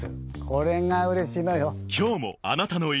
これがうれしいのよ。